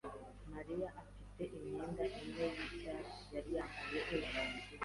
Mariya afite imyenda imwe yicyatsi yari yambaye ejo.